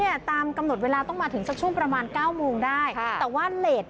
อาการสามารถอย่ากลับมากับสนับสนานน้อยอ่าใครก็กลับมากับผม